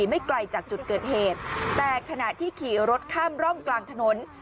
ไม่ไกลจากจุดเกิดเหตุแต่ขณะที่ขี่รถข้ามร่องกลางถนน